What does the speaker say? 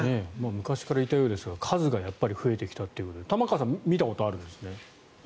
昔からいたようですが数が増えてきたということで玉川さん見たことあるんですね？